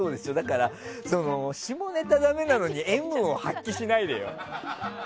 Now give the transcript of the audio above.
下ネタだめなのにＭを発揮しないでよ。